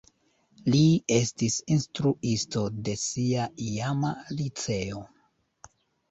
Li estis instruisto de sia iama liceo.